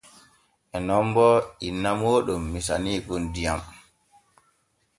En non bo inna mooɗon misaniikon diyam.